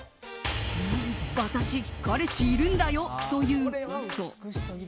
私、彼氏いるんだよという嘘。